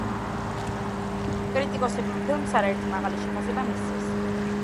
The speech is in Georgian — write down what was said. კრიტიკოსებმა ფილმს არაერთი მაღალი შეფასება მისცეს.